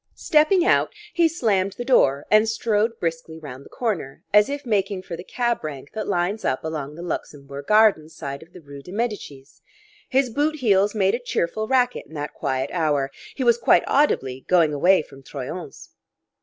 Stepping out, he slammed the door and strode briskly round the corner, as if making for the cab rank that lines up along the Luxembourg Gardens side of the rue de Medicis; his boot heels made a cheerful racket in that quiet hour; he was quite audibly going away from Troyon's.